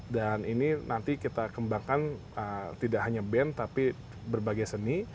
dan ini nanti kita kembangkan tidak hanya band tapi berbagai seni